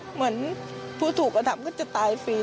เหมือนผู้ถูกกระทำก็จะตายฟรี